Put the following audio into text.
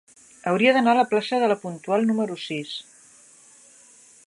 Hauria d'anar a la plaça de La Puntual número sis.